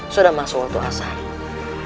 sudah masuk waktu asal